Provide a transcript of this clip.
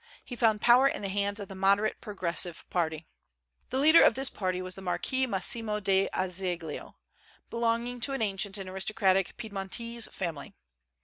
He found power in the hands of the moderate progressive party. The leader of this party was the Marquis Massimo d'Azeglio, belonging to an ancient and aristocratic Piedmontese family.